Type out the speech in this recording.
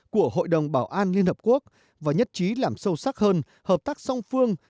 của hội đồng bảo an liên hợp quốc và nhất trí làm sâu sắc hơn hợp tác song phương